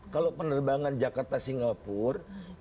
kalau penerbangan jakarta singapura